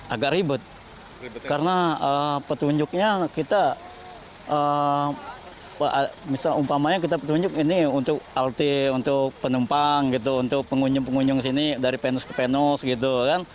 agak ribet karena petunjuknya kita misal umpamanya kita petunjuk ini untuk halte untuk penumpang gitu untuk pengunjung pengunjung sini dari penus ke penus gitu kan